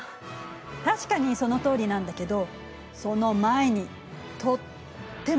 確かにそのとおりなんだけどその前にとっても大きな事件が起きたの。